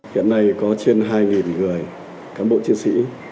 hiện nay có trên hai người cán bộ chiến sĩ